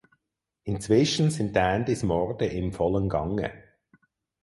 Inzwischen sind Dandys Morde im vollen Gange.